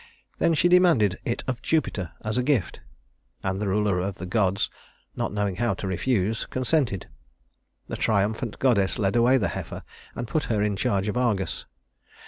Then she demanded it of Jupiter as a gift, and the ruler of the gods, not knowing how to refuse, consented. The triumphant goddess led away the heifer and put her in charge of Argus.